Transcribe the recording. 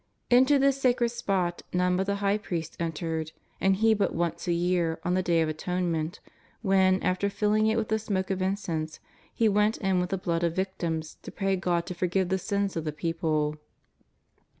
Into this sacred spot none but the High Priest entered, and he but once a year on the Day of Atonement, when, after filling it with the smoke of incense, he went in with the blood of victims to pray God to forgive the sins of the people.